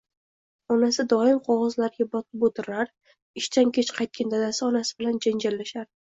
Onasi doim qog`ozlarga botib o`tirar, ishdan kech qaytgan dadasi onasi bilan janjallashardi